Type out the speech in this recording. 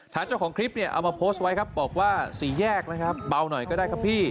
เจ้าของคลิปเนี่ยเอามาโพสต์ไว้ครับบอกว่าสี่แยกนะครับเบาหน่อยก็ได้ครับพี่